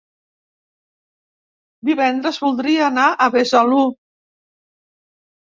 Divendres voldria anar a Besalú.